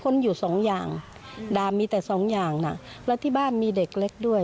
แล้วที่บ้านมีเด็กเล็กด้วย